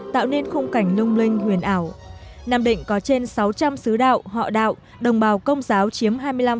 tạo nên khung cảnh lung linh huyền ảo nam định có trên sáu trăm linh xứ đạo họ đạo đồng bào công giáo chiếm